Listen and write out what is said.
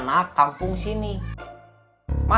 aku pengen stigma